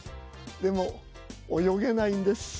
でも泳げないんです。